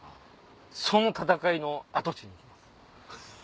その戦いの跡地に行きます。